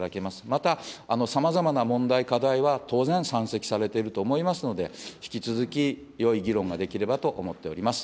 また、さまざまな問題、課題は当然山積されていると思いますので、引き続きよい議論ができればと思っております。